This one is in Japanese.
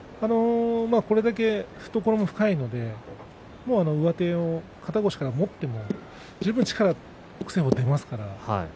これだけ懐も深いので上手を肩越しから持っても十分、北青鵬は力が出ます。